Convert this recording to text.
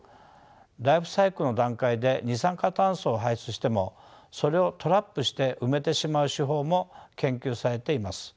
ライフサイクルの段階で二酸化炭素を排出してもそれをトラップして埋めてしまう手法も研究されています。